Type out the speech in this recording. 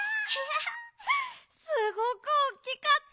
すごくおっきかった！